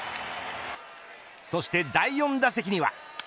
そして第４打席には。